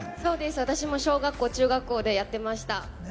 私も小学校、中学校でやってました。